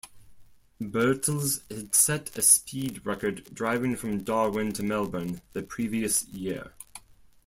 Birtles had set a speed record driving from Darwin to Melbourne the previous year.